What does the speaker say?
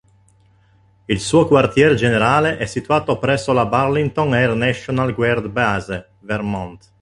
Il suo quartier generale è situato presso la Burlington Air National Guard Base, Vermont.